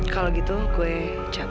kalau gitu gue cabut